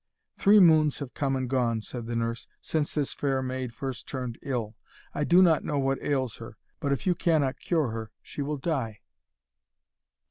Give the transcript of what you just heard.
'Three moons have come and gone,' said the nurse, 'since this fair maid first turned ill. I do not know what ails her, but if you cannot cure her, she will die.'